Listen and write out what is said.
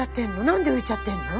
何で浮いちゃってんの？